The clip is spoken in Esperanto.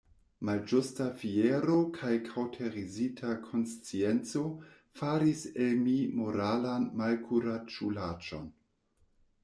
Malĝusta fiero kaj kaŭterizita konscienco faris el mi moralan malkuraĝulaĉon.